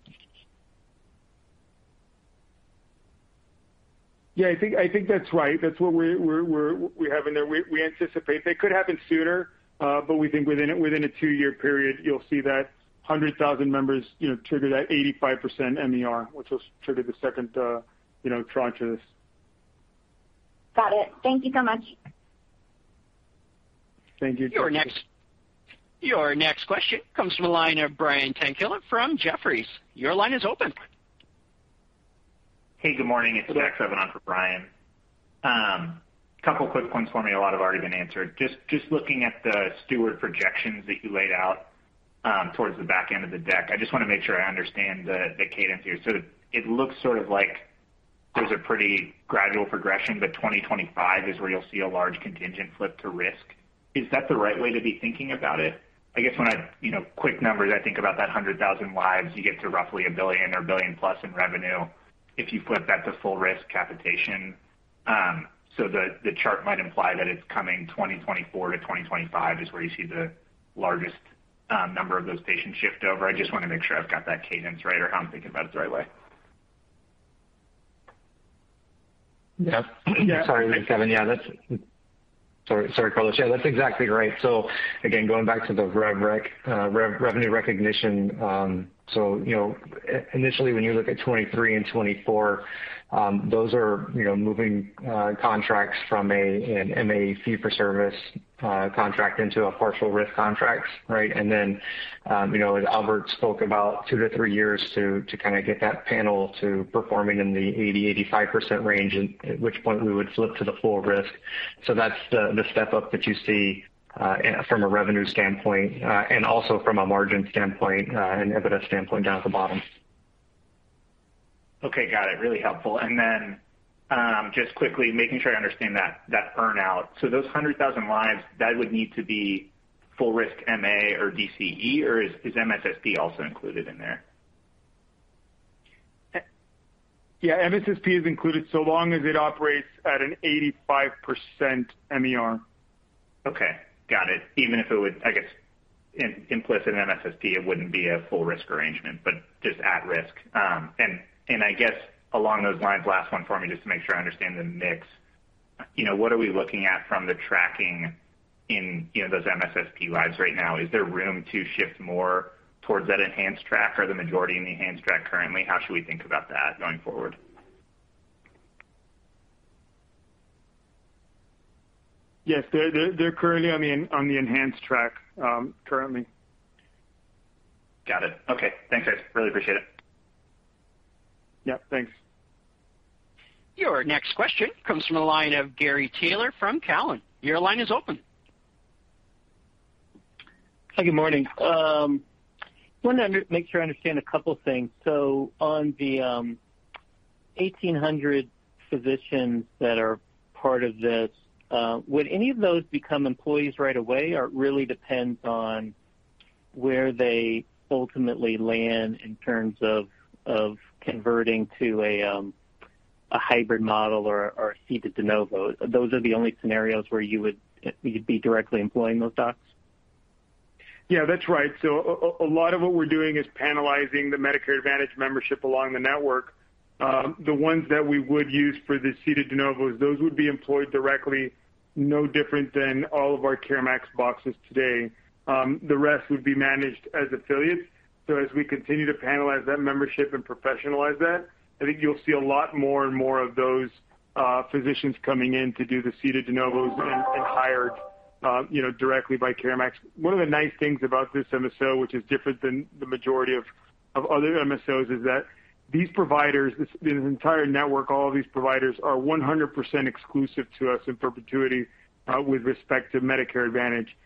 Yeah, I think that's right. That's what we have in there. We anticipate that could happen sooner, but we think within a two-year period you'll see that 100,000 members, you know, trigger that 85% MER, which will trigger the second, you know, tranche of this. Got it. Thank you so much. Thank you. Your next question comes from the line of Brian Tanquilut from Jefferies. Your line is open. Hey, good morning. It's Balaji on for Brian. Couple quick ones for me. A lot have already been answered. Just looking at the Steward projections that you laid out, towards the back end of the deck, I just wanna make sure I understand the cadence here. It looks sort of like there's a pretty gradual progression, but 2025 is where you'll see a large contingent flip to risk. Is that the right way to be thinking about it? I guess when I, you know, quick numbers, I think about that 100,000 lives, you get to roughly $1 billion or $1 billion plus in revenue if you flip that to full risk capitation. The chart might imply that it's coming 2024-2025 is where you see the largest number of those patients shift over. I just wanna make sure I've got that cadence right or how I'm thinking about it the right way. Yep. Sorry, it's Kevin. Yeah, that's. Sorry, Carlos. Yeah, that's exactly right. Again, going back to the rev rec, revenue recognition, you know, initially, when you look at 2023 and 2024, those are, you know, moving contracts from an MA fee-for-service contract into a partial risk contract, right? You know, as Albert spoke about 2-3 years to kinda get that panel to performing in the 80%-85% range, at which point we would flip to the full risk. That's the step-up that you see, from a revenue standpoint, and also from a margin standpoint, and EBITDA standpoint down at the bottom. Okay, got it. Really helpful. Just quickly making sure I understand that earn-out. Those 100,000 lives, that would need to be full risk MA or DCE, or is MSSP also included in there? Yeah, MSSP is included, so long as it operates at an 85% MER. Okay, got it. Even if it would, I guess, it's implicit in MSSP it wouldn't be a full risk arrangement, but just at risk. I guess along those lines, last one for me, just to make sure I understand the mix. You know, what are we looking at from the traction in, you know, those MSSP lives right now? Is there room to shift more towards that enhanced track? Are the majority in the enhanced track currently? How should we think about that going forward? Yes. They're currently on the enhanced track, currently. Got it. Okay. Thanks, guys. Really appreciate it. Yep, thanks. Your next question comes from the line of Gary Taylor from Cowen. Your line is open. Hi, good morning. Wanted to make sure I understand a couple things. On the 1,800 physicians that are part of this, would any of those become employees right away, or it really depends on where they ultimately land in terms of converting to a hybrid model or seeded de novos? Those are the only scenarios where you'd be directly employing those docs. Yeah, that's right. A lot of what we're doing is panelizing the Medicare Advantage membership along the network. The ones that we would use for the seeded de novos, those would be employed directly, no different than all of our CareMax doctors today. The rest would be managed as affiliates. As we continue to panelize that membership and professionalize that, I think you'll see a lot more and more of those physicians coming in to do the seeded de novos and hired, you know, directly by CareMax. One of the nice things about this MSO, which is different than the majority of other MSOs, is that these providers, this entire network, all of these providers are 100% exclusive to us in perpetuity with respect to Medicare Advantage.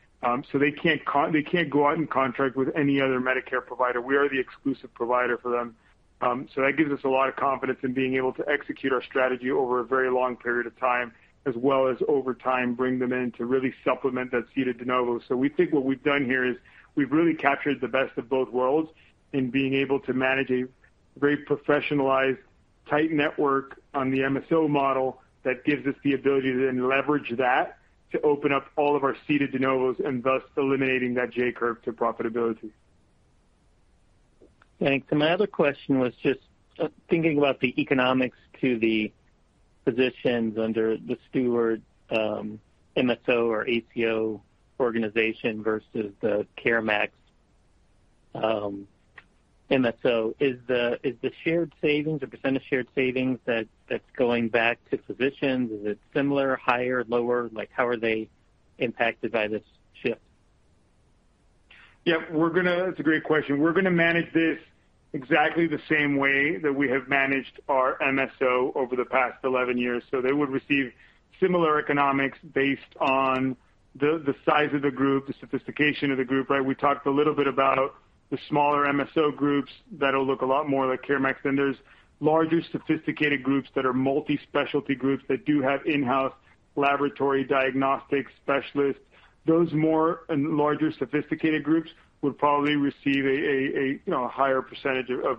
They can't go out and contract with any other Medicare provider. We are the exclusive provider for them. That gives us a lot of confidence in being able to execute our strategy over a very long period of time, as well as over time bring them in to really supplement that seeded de novo. We think what we've done here is we've really captured the best of both worlds in being able to manage a very professionalized, tight network on the MSO model that gives us the ability to then leverage that to open up all of our seeded de novos and thus eliminating that J-curve to profitability. Thanks. My other question was just thinking about the economics to the physicians under the Steward MSO or ACO organization versus the CareMax MSO. Is the shared savings or percent of shared savings that's going back to physicians, is it similar, higher, lower? Like, how are they impacted by this shift? Yeah, that's a great question. We're gonna manage this exactly the same way that we have managed our MSO over the past 11 years. They would receive similar economics based on the size of the group, the sophistication of the group, right? We talked a little bit about the smaller MSO groups that'll look a lot more like CareMax. There's larger, sophisticated groups that are multi-specialty groups that do have in-house laboratory diagnostics specialists. Those more and larger sophisticated groups would probably receive a, you know, a higher percentage of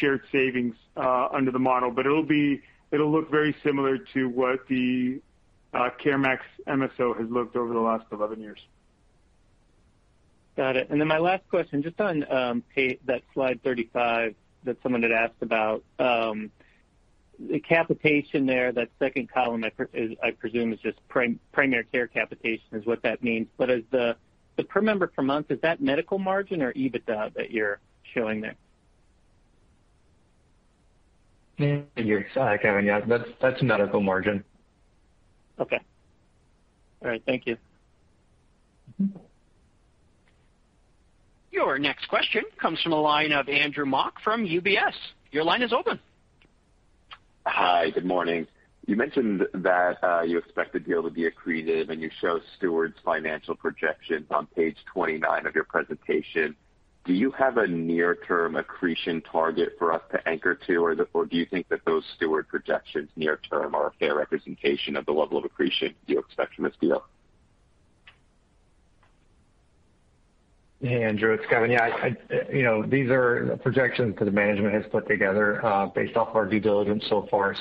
shared savings under the model, but it'll be. It'll look very similar to what the CareMax MSO has looked over the last 11 years. Got it. My last question, just on that slide 35 that someone had asked about, the capitation there, that second column, I presume, is just primary care capitation, what that means. But as the per member per month, is that medical margin or EBITDA that you're showing there? Yeah. Gary, it's Kevin. Yeah, that's medical margin. Okay. All right. Thank you. Your next question comes from the line of Andrew Mok from UBS. Your line is open. Hi. Good morning. You mentioned that you expect the deal to be accretive, and you show Steward's financial projections on page 29 of your presentation. Do you have a near-term accretion target for us to anchor to, or do you think that those Steward projections near term are a fair representation of the level of accretion you expect from this deal? Hey, Andrew, it's Kevin. Yeah, I you know, these are projections that management has put together, based off our due diligence so far.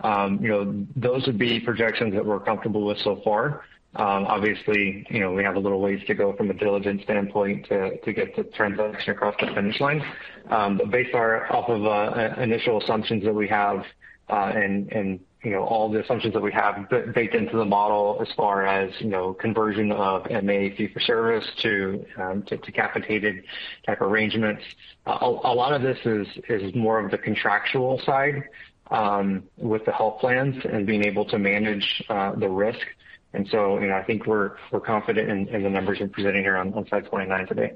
You know. Those would be projections that we're comfortable with so far. Obviously, you know, we have a little ways to go from a diligence standpoint to get the transaction across the finish line. But based off of initial assumptions that we have, and, you know, all the assumptions that we have baked into the model as far as, you know, conversion of MA fee-for-service to capitated type arrangements, a lot of this is more of the contractual side with the health plans and being able to manage the risk. You know, I think we're confident in the numbers you're presenting here on slide 29 today.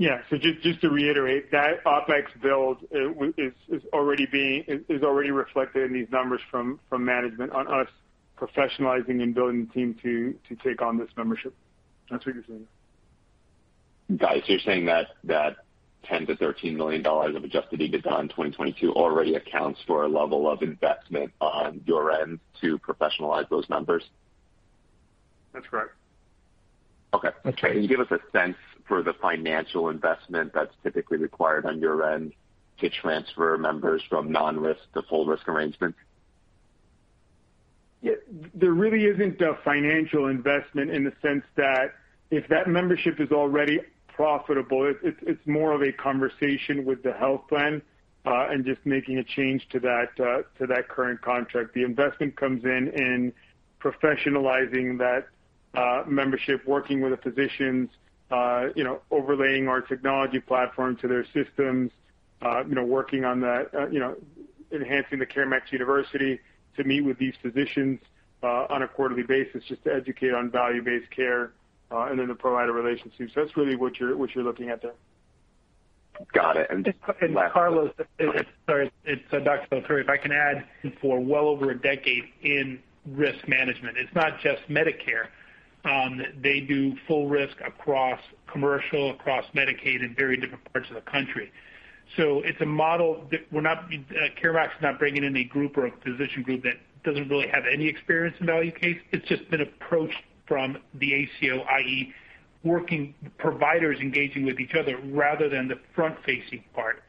Yeah. Just to reiterate, that OpEx build is already reflected in these numbers from management on us professionalizing and building the team to take on this membership. That's what you're saying? Guys, you're saying that $10 million-$13 million of adjusted EBITDA in 2022 already accounts for a level of investment on your end to professionalize those numbers? That's correct. Okay. That's right. Can you give us a sense for the financial investment that's typically required on your end to transfer members from non-risk to full risk arrangement? Yeah. There really isn't a financial investment in the sense that if that membership is already profitable, it's more of a conversation with the health plan, and just making a change to that, to that current contract. The investment comes in professionalizing that membership, working with the physicians, you know, overlaying our technology platform to their systems, you know, working on that, you know, enhancing the CareMax University to meet with these physicians, on a quarterly basis just to educate on value-based care, and then the provider relationship. So that's really what you're looking at there. Got it. Carlos, Sorry. It's Dr. de la Torre. If I can add, for well over a decade in risk management, it's not just Medicare. They do full risk across commercial, across Medicaid in very different parts of the country. It's a model that CareMax is not bringing in a group or a physician group that doesn't really have any experience in value-based. It's just been approached from the ACO, i.e., working providers engaging with each other rather than the front-facing part.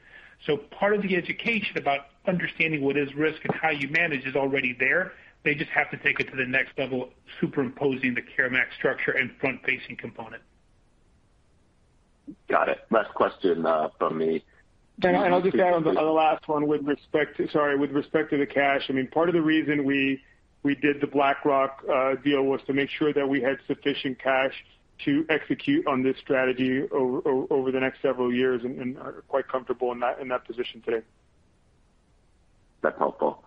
Part of the education about understanding what is risk and how you manage is already there. They just have to take it to the next level, superimposing the CareMax structure and front-facing component. Got it. Last question from me. I'll just add on the last one with respect to the cash. I mean, part of the reason we did the BlackRock deal was to make sure that we had sufficient cash to execute on this strategy over the next several years and are quite comfortable in that position today. That's helpful.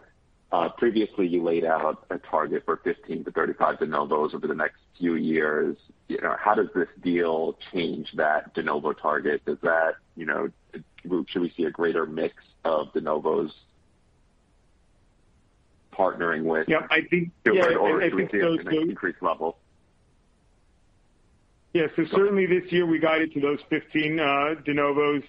Previously, you laid out a target for 15-35 de novos over the next few years. You know, how does this deal change that de novo target? Does that, you know, should we see a greater mix of de novos partnering with. Yeah, I think those. Should we see an increased level? Yeah. Certainly this year we guided to those 15 de novos.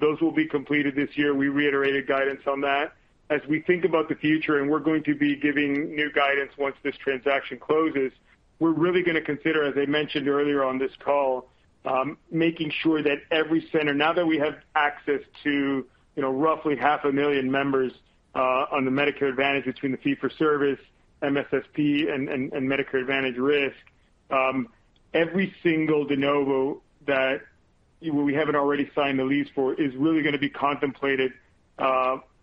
Those will be completed this year. We reiterated guidance on that. As we think about the future, we're going to be giving new guidance once this transaction closes, we're really gonna consider, as I mentioned earlier on this call, making sure that every center, now that we have access to, you know, roughly half a million members on the Medicare Advantage between the fee-for-service, MSSP and Medicare Advantage risk, every single de novo that we haven't already signed the lease for is really gonna be contemplated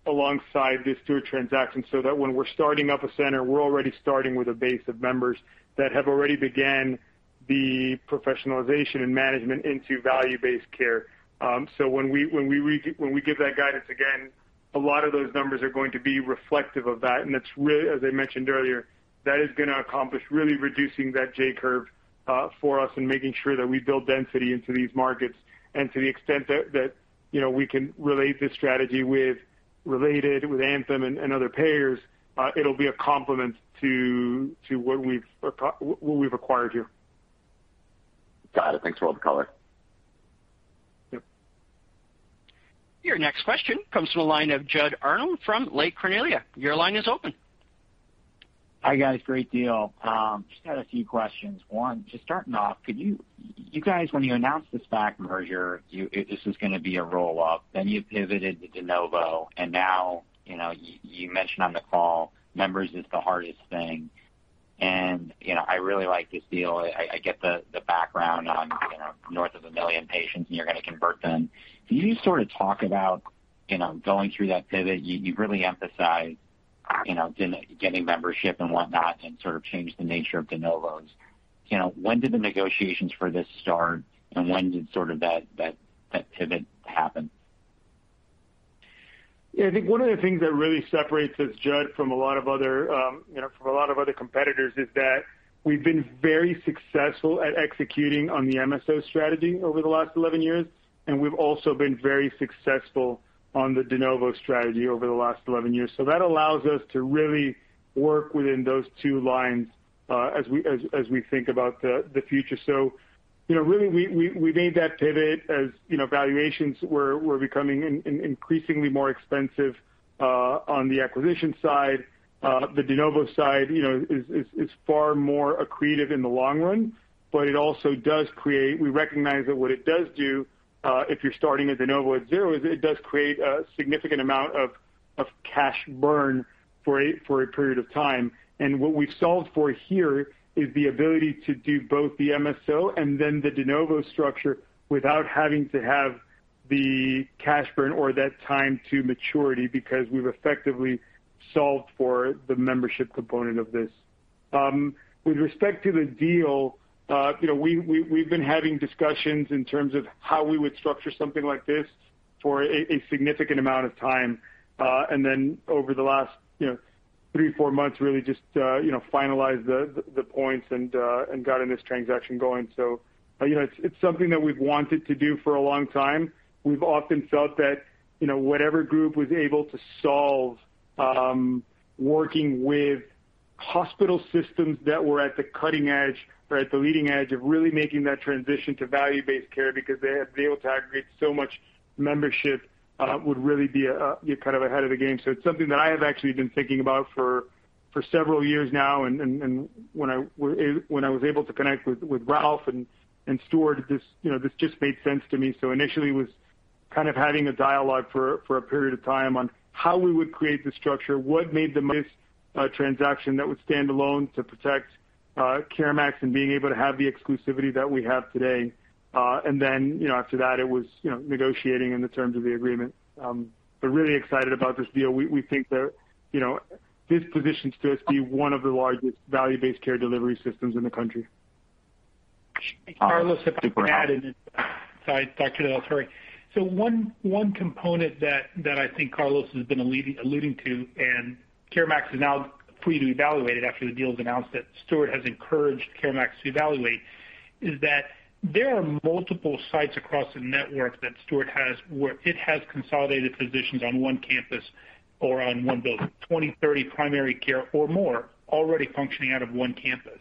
alongside this Steward transaction so that when we're starting up a center, we're already starting with a base of members that have already began the professionalization and management into value-based care. When we give that guidance again, a lot of those numbers are going to be reflective of that. That's really, as I mentioned earlier, that is gonna accomplish really reducing that J-curve for us and making sure that we build density into these markets. To the extent that, you know, we can relate this strategy with Related, with Anthem and other payers, it'll be a complement to what we've acquired here. Got it. Thanks for all the color. Yep. Your next question comes from the line of Judd Arnold from Lake Cornelia. Your line is open. Hi, guys. Great deal. Just had a few questions. One, just starting off, could you guys, when you announced this Steward merger, this was gonna be a roll-up, then you pivoted to de novo, and now, you know, you mentioned on the call membership is the hardest thing. You know, I really like this deal. I get the background on, you know, north of 1 million patients, and you're gonna convert them. Can you sort of talk about, you know, going through that pivot? You really emphasized, you know, getting membership and whatnot and sort of change the nature of de novos. You know, when did the negotiations for this start, and when did sort of that pivot happen? Yeah. I think one of the things that really separates us, Judd, from a lot of other competitors is that we've been very successful at executing on the MSO strategy over the last 11 years, and we've also been very successful on the de novo strategy over the last 11 years. That allows us to really work within those two lines, as we think about the future. We made that pivot as you know, valuations were becoming increasingly more expensive on the acquisition side. The de novo side, you know, is far more accretive in the long run, but it also does create. We recognize that what it does do, if you're starting a de novo at zero, is it does create a significant amount of cash burn for a period of time. What we've solved for here is the ability to do both the MSO and then the de novo structure without having to have the cash burn or that time to maturity, because we've effectively solved for the membership component of this. With respect to the deal, you know, we've been having discussions in terms of how we would structure something like this for a significant amount of time. Then over the last, you know, three, four months, really just, you know, finalized the points and gotten this transaction going. It's something that we've wanted to do for a long time. We've often felt that, you know, whatever group was able to solve working with hospital systems that were at the cutting edge or at the leading edge of really making that transition to value-based care because they have been able to aggregate so much membership would really be kind of ahead of the game. It's something that I have actually been thinking about for several years now. When I was able to connect with Ralph and Steward, you know, this just made sense to me. Initially it was kind of having a dialogue for a period of time on how we would create the structure, what made the most attractive transaction that would stand alone to protect CareMax and being able to have the exclusivity that we have today. You know, after that it was, you know, negotiating the terms of the agreement. Really excited about this deal. We think that, you know, this positions us to be one of the largest value-based care delivery systems in the country. Carlos, if I can add in. Sorry, Dr. de la Torre. One component that I think Carlos has been alluding to, and CareMax is now free to evaluate it after the deal is announced, that Steward has encouraged CareMax to evaluate, is that there are multiple sites across the network that Steward has, where it has consolidated physicians on one campus or on one building, 20, 30 primary care or more already functioning out of one campus.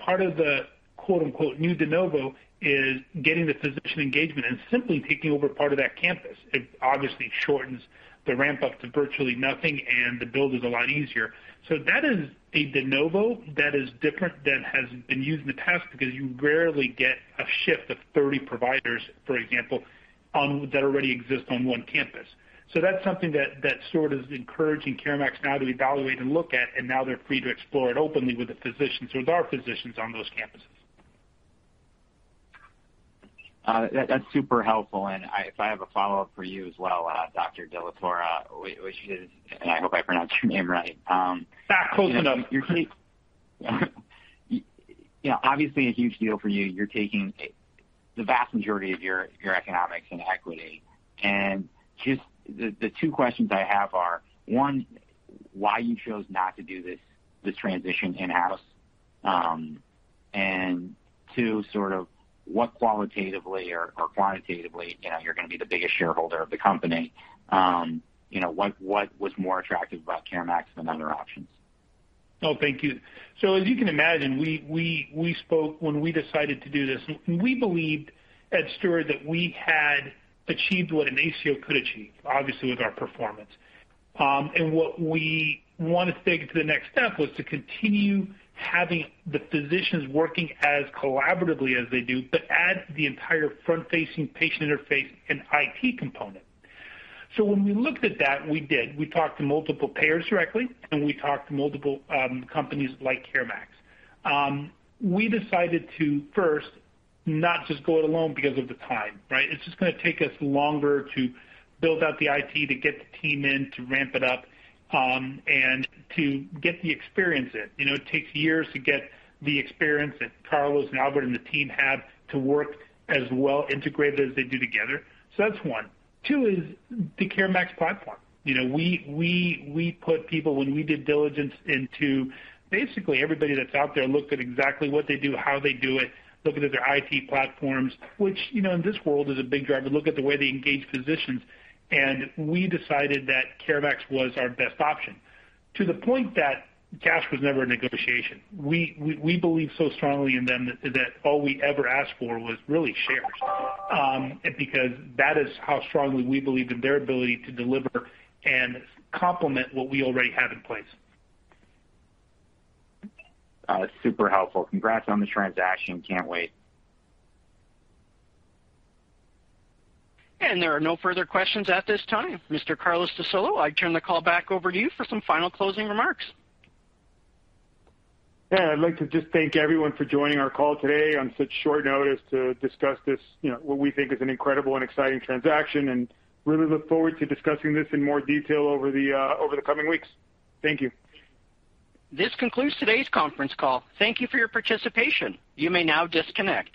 Part of the quote-unquote new de novo is getting the physician engagement and simply taking over part of that campus. It obviously shortens the ramp up to virtually nothing, and the build is a lot easier. That is a de novo that is different than has been used in the past because you rarely get a shift of 30 providers, for example, on that already exist on one campus. That's something that Steward is encouraging CareMax now to evaluate and look at, and now they're free to explore it openly with the physicians, with our physicians on those campuses. That's super helpful. If I have a follow-up for you as well, Dr. de la Torre, which is, and I hope I pronounced your name right. Close enough. You know, obviously a huge deal for you. You're taking the vast majority of your economics and equity. Just the two questions I have are, one, why you chose not to do this transition in-house? Two, sort of what qualitatively or quantitatively, you know, you're gonna be the biggest shareholder of the company, you know, what was more attractive about CareMax than other options? Oh, thank you. As you can imagine, we spoke. When we decided to do this, we believed at Steward that we had achieved what an ACO could achieve, obviously with our performance. What we wanted to take it to the next step was to continue having the physicians working as collaboratively as they do, but add the entire front-facing patient interface and IT component. When we looked at that, we talked to multiple payers directly, and we talked to multiple companies like CareMax. We decided to first not just go it alone because of the time, right? It's just gonna take us longer to build out the IT, to get the team in, to ramp it up, and to get the experience in. You know, it takes years to get the experience that Carlos and Albert and the team have to work as well integrated as they do together. So that's one. Two is the CareMax platform. You know, we put people when we did diligence into basically everybody that's out there, looked at exactly what they do, how they do it, looked at their IT platforms, which, you know, in this world is a big driver, look at the way they engage physicians. We decided that CareMax was our best option to the point that cash was never a negotiation. We believe so strongly in them that all we ever asked for was really shares, because that is how strongly we believe in their ability to deliver and complement what we already have in place. Super helpful. Congrats on the transaction. Can't wait. There are no further questions at this time. Mr. Carlos de Solo, I turn the call back over to you for some final closing remarks. Yeah. I'd like to just thank everyone for joining our call today on such short notice to discuss this, you know, what we think is an incredible and exciting transaction, and really look forward to discussing this in more detail over the coming weeks. Thank you. This concludes today's conference call. Thank you for your participation. You may now disconnect.